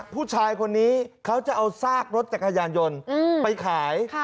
ผู้ชายคนนี้เขาจะเอาซากรถจักรยานยนต์ไปขาย